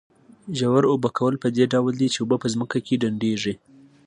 ژور اوبه کول په دې ډول دي چې اوبه په ځمکه کې ډنډېږي.